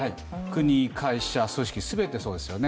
国、会社、組織、全てそうですよね